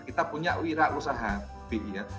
kita punya wira usaha media